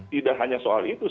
tidak hanya soal itu